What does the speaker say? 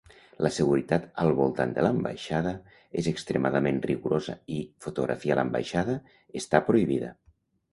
La seguretat al voltant de l'ambaixada és extremadament rigorosa i fotografiar l'ambaixada està prohibida.